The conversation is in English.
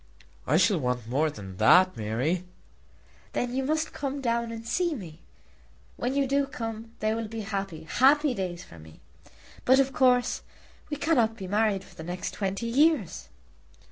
"I shall want more than that, Mary." "Then you must come down and see me. When you do come they will be happy, happy days for me. But of course we cannot be married for the next twenty years."